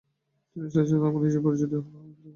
তিনি স্যার সৈয়দ আহমদ; হিসাবে পরিচিত হতে থাকেন।